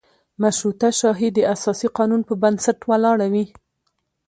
مشروطه شاهي د اساسي قانون په بنسټ ولاړه وي.